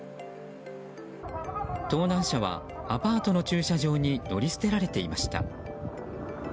盗難車はアパートの駐車場に乗り捨てられていました。